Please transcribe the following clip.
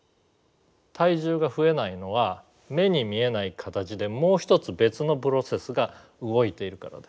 体重が増えないのは目に見えない形でもう一つ別のプロセスが動いているからです。